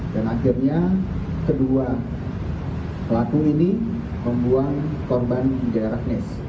dan akhirnya kedua pelaku ini membuang korban di jalan nes